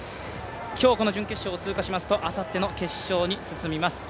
今日この準決勝を通過しますと、あさっての決勝に進みます。